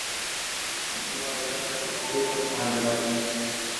তিনটি বালককে রাজা কিছুতেই পোষ মানাইতে পারিলেন না।